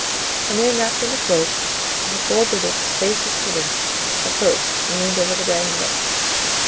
A man wrapped in a cloak, in the folds of which his face was hidden, approached and leaned over the bed and looked.